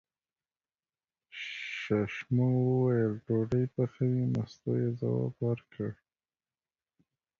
ششمو وویل: ډوډۍ پخوې، مستو یې ځواب ورکړ.